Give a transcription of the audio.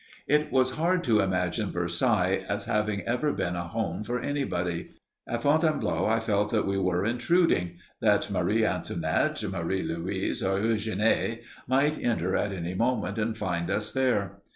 It was hard to imagine Versailles as having ever been a home for anybody. At Fontainebleau I felt that we were intruding that Marie Antoinette, Marie Louise, or Eugénie might enter at any moment and find us there.